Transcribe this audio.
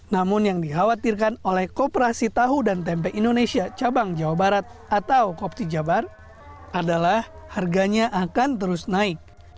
namun yang dikhawatirkan oleh kooperasi tahu dan tempe indonesia cabang jawa barat atau kopti jabar adalah harganya akan terus naik